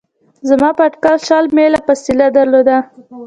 زموږ په اټکل شل میله فاصله درلوده.